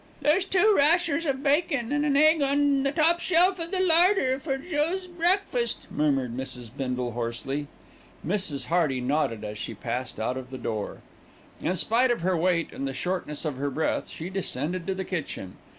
"There's two rashers of bacon and an egg on the top shelf of the larder for Joe's breakfast," murmured Mrs. Bindle hoarsely. Mrs. Hearty nodded as she passed out of the door. In spite of her weight and the shortness of her breath, she descended to the kitchen.